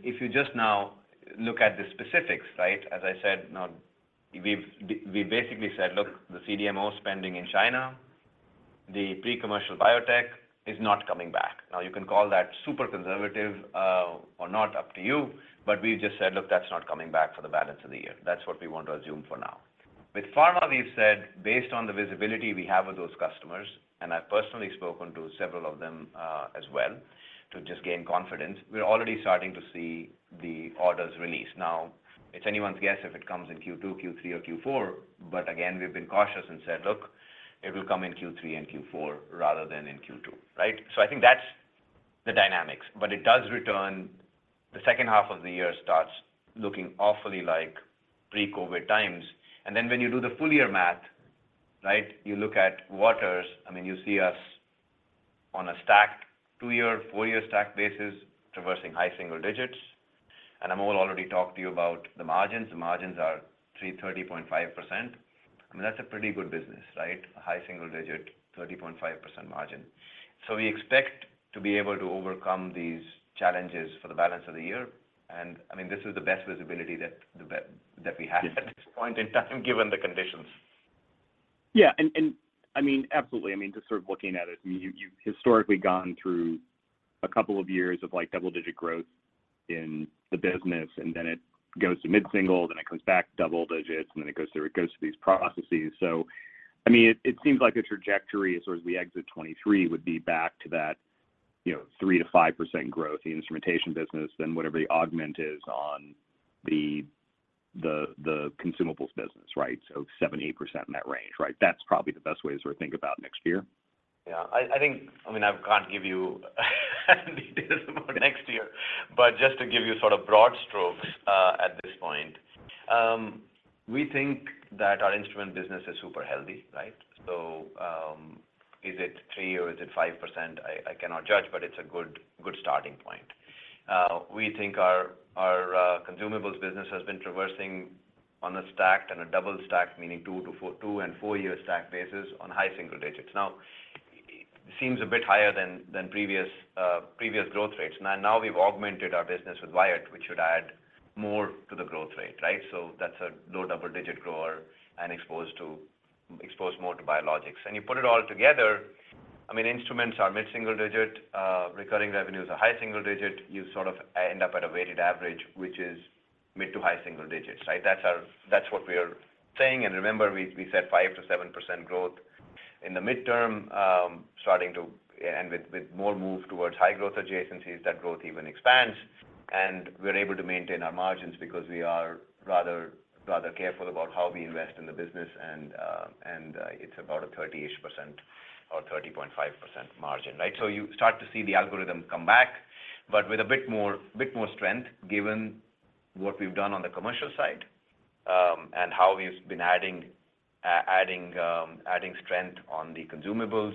If you just now look at the specifics, right, as I said, we basically said, look, the CDMO spending in China, the pre-commercial biotech is not coming back. You can call that super conservative, or not, up to you, but we just said, look, that's not coming back for the balance of the year. That's what we want to assume for now. With pharma, we've said, based on the visibility we have with those customers, and I've personally spoken to several of them, as well to just gain confidence, we're already starting to see the orders release. It's anyone's guess if it comes in Q2, Q3 or Q4, but again, we've been cautious and said, look, it will come in Q3 and Q4 rather than in Q2, right? I think that's the dynamics. It does return. The second half of the year starts looking awfully like pre-COVID times. Then when you do the full year math, right, you look at Waters, I mean, you see us on a stacked two year, four year stacked basis traversing high single digits. Amol already talked to you about the margins. The margins are 30.5%. I mean, that's a pretty good business, right? A high single digit, 30.5% margin. We expect to be able to overcome these challenges for the balance of the year. I mean, this is the best visibility that we have at this point in time, given the conditions. Yeah. I mean, absolutely. I mean, just sort of looking at it, I mean, you've historically gone through a couple of years of like double-digit growth in the business, and then it goes to mid-single, then it comes back double-digits, and then it goes through these processes. I mean, it seems like the trajectory as sort of the exit 23 would be back to that, you know, 3%-5% growth, the instrumentation business, then whatever the augment is on the consumables business, right? 7%-8% in that range, right? That's probably the best way to sort of think about next year. I mean, I can't give you any details about next year, but just to give you sort of broad strokes, at this point, we think that our instrument business is super healthy, right? Is it 3% or is it 5%? I cannot judge, but it's a good starting point. We think our consumables business has been traversing on a stacked and a double stacked, meaning two and four year stacked basis on high single-digits. It seems a bit higher than previous growth rates. We've augmented our business with Wyatt, which should add more to the growth rate, right? That's a low double-digit grower and exposed more to biologics. You put it all together, I mean, instruments are mid-single digit, recurring revenues are high-single digit. You sort of end up at a weighted average, which is mid-to high-single digits, right? That's what we are saying. Remember we said 5%-7% growth in the midterm, and with more move towards high growth adjacencies, that growth even expands. We're able to maintain our margins because we are rather careful about how we invest in the business and it's about a 30%-ish or 30.5% margin, right? You start to see the algorithm come back, but with a bit more strength given what we've done on the commercial side, and how we've been adding strength on the consumables,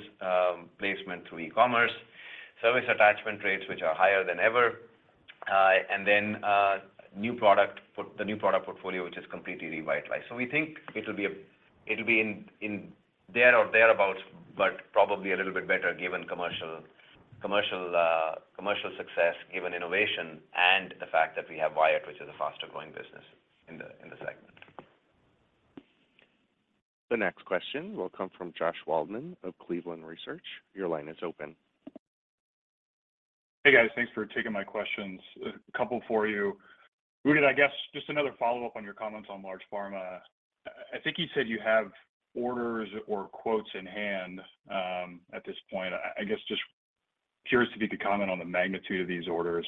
placement to e-commerce. Service attachment rates, which are higher than ever. The new product portfolio, which is completely revitalized. We think it'll be in there or thereabout, but probably a little bit better given commercial success, given innovation and the fact that we have Wyatt, which is a faster growing business in the segment. The next question will come from Josh Waldman of Cleveland Research. Your line is open. Hey, guys. Thanks for taking my questions. A couple for you. Udit, I guess just another follow-up on your comments on large pharma. I think you said you have orders or quotes in hand at this point. I guess just curious if you could comment on the magnitude of these orders.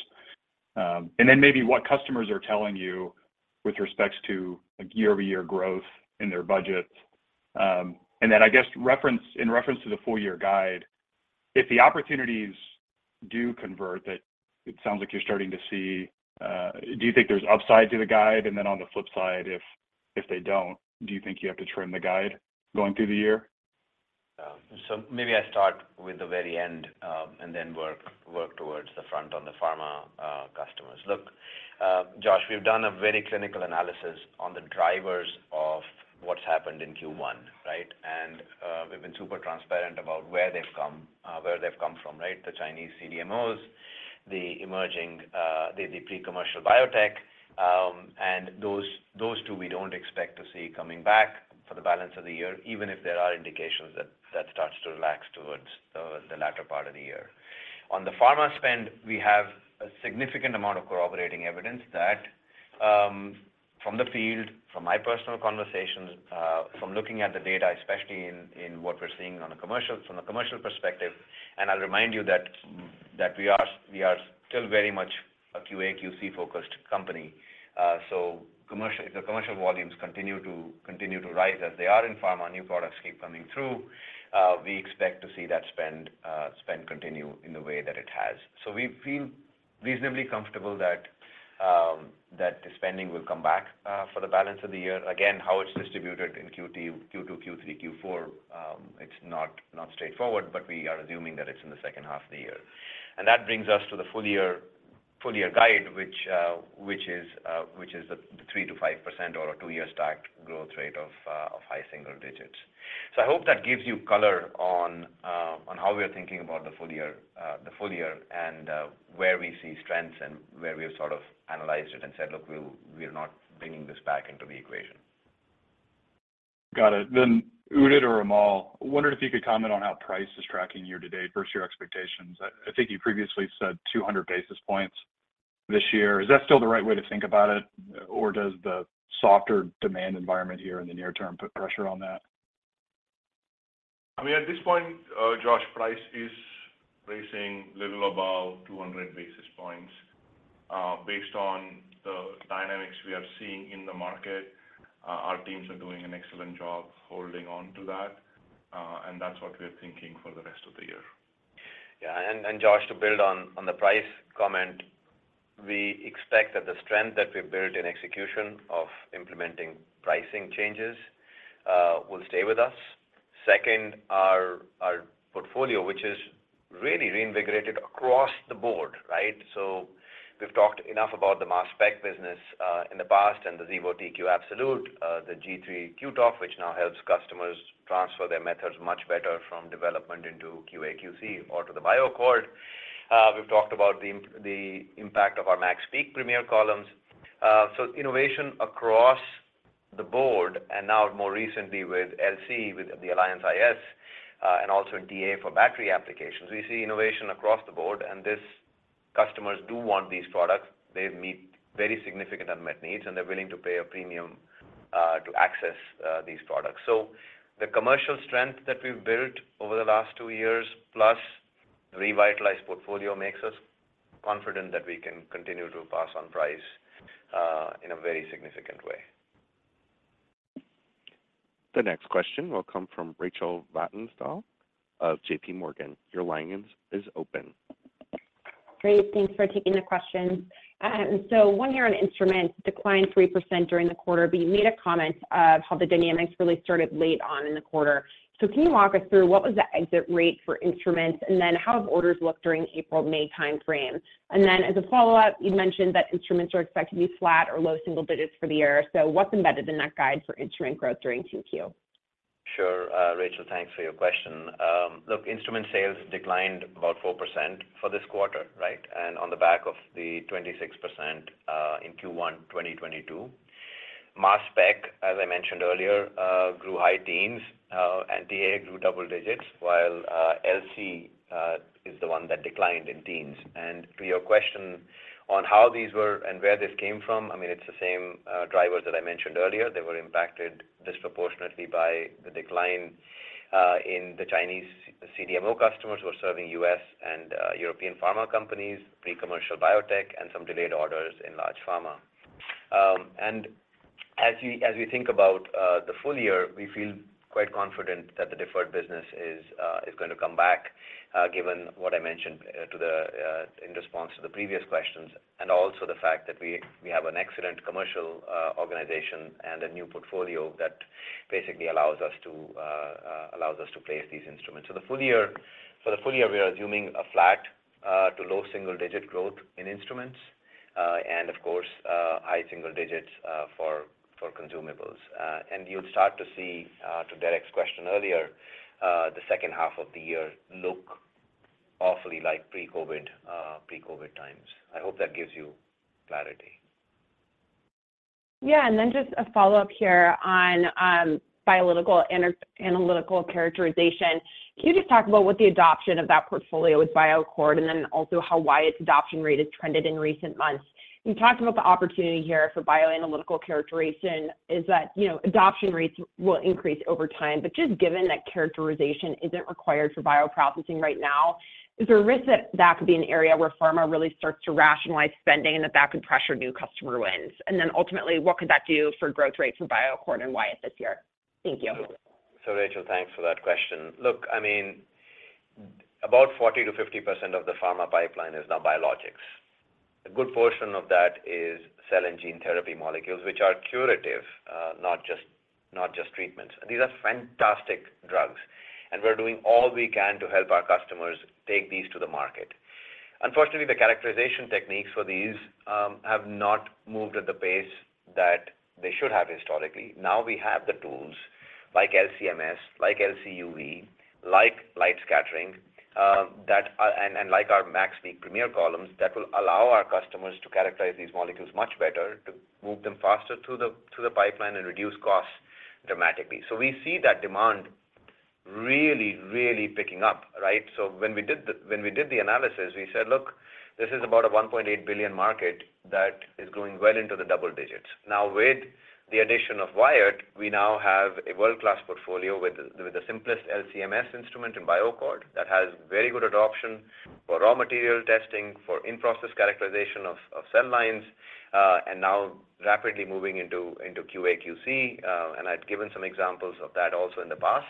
Then maybe what customers are telling you with respects to like year-over-year growth in their budgets. Then I guess in reference to the full year guide, if the opportunities do convert, that it sounds like you're starting to see. Do you think there's upside to the guide? Then on the flip side, if they don't, do you think you have to trim the guide going through the year? Maybe I start with the very end, and then work towards the front on the pharma customers. Look, Josh, we've done a very clinical analysis on the drivers of what's happened in Q1, right? We've been super transparent about where they've come, where they've come from, right? The Chinese CDMOs, the emerging, the pre-commercial biotech, and those two we don't expect to see coming back for the balance of the year, even if there are indications that that starts to relax towards the latter part of the year. On the pharma spend, we have a significant amount of corroborating evidence that, from the field, from my personal conversations, from looking at the data, especially in what we're seeing from a commercial perspective, I'll remind you that, we are still very much a QA/QC-focused company. Commercial... If the commercial volumes continue to rise as they are in pharma, new products keep coming through, we expect to see that spend continue in the way that it has. We feel reasonably comfortable that the spending will come back for the balance of the year. How it's distributed in Q2, Q3, Q4, it's not straightforward, but we are assuming that it's in the second half of the year. That brings us to the full year, full year guide, which is the 3%-5% or a two-year stacked growth rate of high single digits. I hope that gives you color on how we are thinking about the full year and where we see strengths and where we have sort of analyzed it and said, "Look, we're not bringing this back into the equation. Got it. Udit or Amol, wondered if you could comment on how price is tracking year to date versus your expectations? I think you previously said 200 basis points this year. Is that still the right way to think about it, or does the softer demand environment here in the near term put pressure on that? I mean, at this point, Josh, price is raising little above 200 basis points. Based on the dynamics we are seeing in the market, our teams are doing an excellent job holding on to that. That's what we're thinking for the rest of the year. Yeah. Josh, to build on the price comment, we expect that the strength that we've built in execution of implementing pricing changes will stay with us. Second, our portfolio, which is really reinvigorated across the board, right? We've talked enough about the Mass Spec business in the past and the Xevo TQ Absolute, the G3 QTof, which now helps customers transfer their methods much better from development into QA/QC or to the BioAccord. We've talked about the impact of our MaxPeak Premier columns. Innovation across the board and now more recently with LC, with the Alliance iS, and also in DA for battery applications. We see innovation across the board and customers do want these products. They meet very significant unmet needs, and they're willing to pay a premium to access these products. The commercial strength that we've built over the last two years plus revitalized portfolio makes us confident that we can continue to pass on price in a very significant way. The next question will come from Rachel Vatnsdal of JPMorgan. Your line is open. Great. Thanks for taking the question. One here on instruments declined 3% during the quarter, but you made a comment of how the dynamics really started late on in the quarter. Can you walk us through what was the exit rate for instruments? How have orders looked during April-May timeframe? As a follow-up, you mentioned that instruments are expected to be flat or low single digits for the year. What's embedded in that guide for instrument growth during 2Q? Sure. Rachel, thanks for your question. Look, instrument sales declined about 4% for this quarter, right? On the back of the 26% in Q1 2022. Mass spec, as I mentioned earlier, grew high teens, and DA grew double digits, while LC is the one that declined in teens. To your question on how these were and where this came from, I mean, it's the same drivers that I mentioned earlier. They were impacted disproportionately by the decline in the Chinese CDMO customers who are serving U.S. and European pharma companies, pre-commercial biotech, and some delayed orders in large pharma. As you, as we think about the full year, we feel quite confident that the deferred business is gonna come back given what I mentioned to the in response to the previous questions, and also the fact that we have an excellent commercial organization and a new portfolio that basically allows us to place these instruments. The full year, we are assuming a flat to low single-digit growth in instruments, and of course, high single digits for consumables. You'll start to see to Derik's question earlier, the second half of the year look awfully like pre-COVID times. I hope that gives you clarity. Yeah. Just a follow-up here on biological analytical characterization. Can you just talk about what the adoption of that portfolio with BioAccord and then also how Wyatt's adoption rate has trended in recent months? You talked about the opportunity here for bioanalytical characterization is that, you know, adoption rates will increase over time. Just given that characterization isn't required for bioprocessing right now, is there a risk that that could be an area where pharma really starts to rationalize spending and that that could pressure new customer wins? Ultimately, what could that do for growth rates for BioAccord and Wyatt this year? Thank you. Rachel, thanks for that question. Look, about 40%-50% of the pharma pipeline is now biologics. A good portion of that is cell and gene therapy molecules, which are curative, not just treatments. These are fantastic drugs, and we're doing all we can to help our customers take these to the market. Unfortunately, the characterization techniques for these have not moved at the pace that they should have historically. Now we have the tools like LC-MS, like LC-UV, like light scattering, that and like our MaxPeak Premier columns that will allow our customers to characterize these molecules much better, to move them faster to the pipeline and reduce costs dramatically. We see that demand really picking up, right? When we did the analysis, we said, "Look, this is about a $1.8 billion market that is growing well into the double digits." Now, with the addition of Wyatt, we now have a world-class portfolio with the simplest LC-MS instrument in BioAccord that has very good adoption for raw material testing, for in-process characterization of cell lines, and now rapidly moving into QA/QC, and I'd given some examples of that also in the past.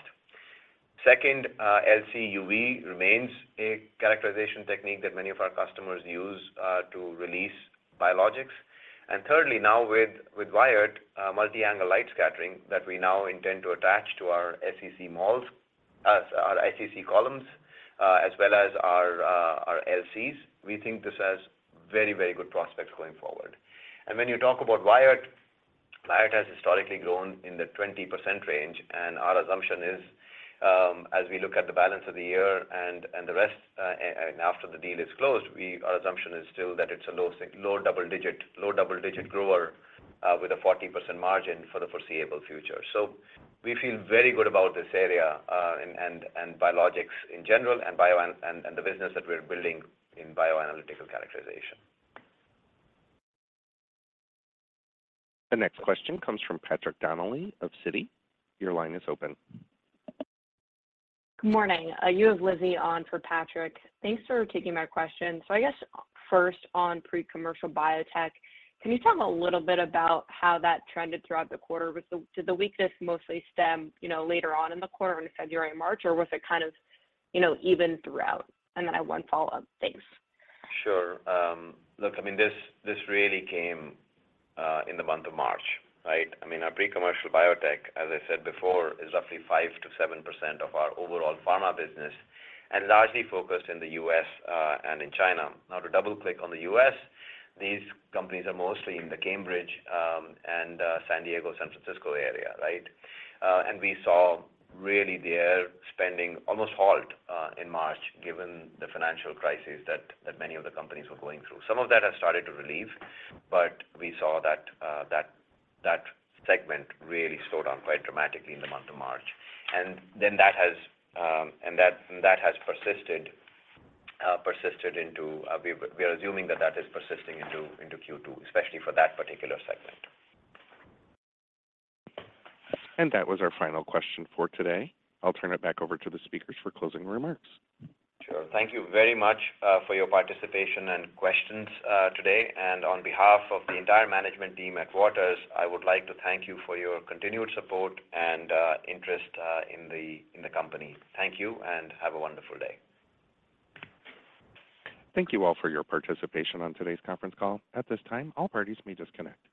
Second, LC-UV remains a characterization technique that many of our customers use to release biologics. Thirdly, now with Wyatt, multi-angle light scattering that we now intend to attach to our SEC columns, as well as our LCs. We think this has very, very good prospects going forward. When you talk about Wyatt has historically grown in the 20% range, and our assumption is, as we look at the balance of the year and the rest, and after the deal is closed, our assumption is still that it's a low double-digit grower, with a 40% margin for the foreseeable future. We feel very good about this area, and biologics in general and bio and the business that we're building in bioanalytical characterization. The next question comes from Patrick Donnelly of Citi. Your line is open. Good morning. You have Lizzie on for Patrick. Thanks for taking my question. I guess, first on pre-commercial biotech, can you tell me a little bit about how that trended throughout the quarter? Did the weakness mostly stem, you know, later on in the quarter in February and March, or was it kind of, you know, even throughout? I have one follow-up. Thanks. Sure. Look, I mean, this really came in the month of March, right? I mean, our pre-commercial biotech, as I said before, is roughly 5% to 7% of our overall pharma business and largely focused in the U.S. and in China. To double-click on the U.S., these companies are mostly in the Cambridge and San Diego, San Francisco area, right? We saw really their spending almost halt in March, given the financial crisis that many of the companies were going through. Some of that has started to relieve, we saw that segment really slowed down quite dramatically in the month of March. That has persisted into we are assuming that is persisting into Q2, especially for that particular segment. That was our final question for today. I'll turn it back over to the speakers for closing remarks. Sure. Thank you very much for your participation and questions today. On behalf of the entire management team at Waters, I would like to thank you for your continued support and interest in the company. Thank you. Have a wonderful day. Thank you all for your participation on today's conference call. At this time, all parties may disconnect.